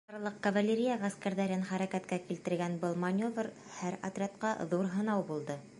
Барлыҡ кавалерия ғәскәрҙәрен хәрәкәткә килтергән был маневр һәр отрядҡа ҙур һынау булды.